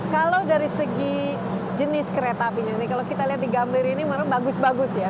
kalau dari segi jenis kereta apinya ini kalau kita lihat di gambir ini memang bagus bagus ya